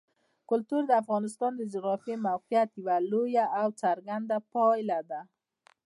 کلتور د افغانستان د جغرافیایي موقیعت یوه لویه او څرګنده پایله ده.